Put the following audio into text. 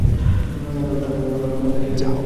তারকনাথ দাসের জন্ম চব্বিশ পরগনার মাঝিপাড়ায়।